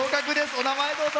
お名前、どうぞ。